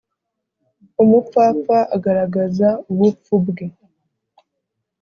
umupfapfa agaragaza ubupfu bwe